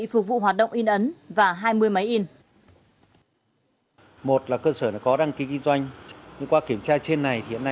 phục vụ hoạt động in ấn và hai mươi máy in